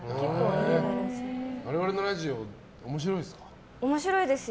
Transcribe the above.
我々のラジオ、面白いですか？